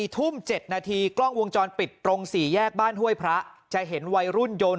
ทุ่ม๗นาทีกล้องวงจรปิดตรง๔แยกบ้านห้วยพระจะเห็นวัยรุ่นยนต์